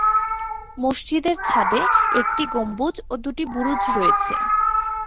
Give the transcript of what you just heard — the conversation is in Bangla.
মসজিদের ছাদে একটি গম্বুজ ও দুটি বুরুজ রয়েছে।